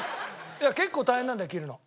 結構大変なんだよ切るの。